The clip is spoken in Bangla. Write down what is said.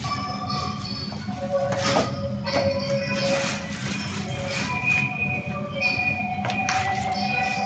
কিমকে সাহায্যের জন্য অবশ্য দুটি নৌকায় ক্রুদের সঙ্গে তাঁর মাও ছিলেন।